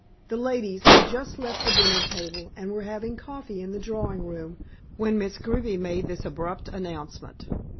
The ladies had just left the dinner table, and were having coffee in the drawing room when Miss Greeby made this abrupt announcement.